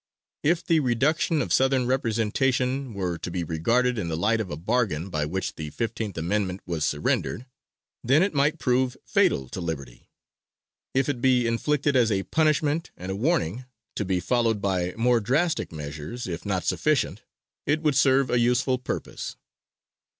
If the reduction of Southern representation were to be regarded in the light of a bargain by which the Fifteenth Amendment was surrendered, then it might prove fatal to liberty. If it be inflicted as a punishment and a warning, to be followed by more drastic measures if not sufficient, it would serve a useful purpose.